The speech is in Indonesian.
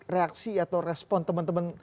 reaksi atau respon teman teman